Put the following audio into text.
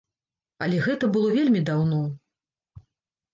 Але гэта было вельмі даўно.